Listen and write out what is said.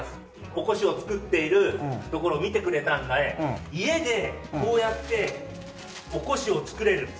おこしを作っているところを見てくれたので家でこうやっておこしを作れるキット。